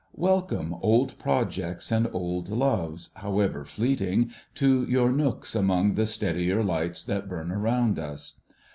Welcome, old projects and old loves, how ever fleeting, to your nooks among the steadier lights that burn around us.